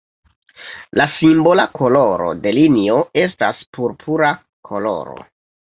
La simbola koloro de linio estas purpura koloro.